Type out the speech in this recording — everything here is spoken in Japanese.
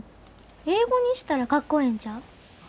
英語にしたらかっこええんちゃう？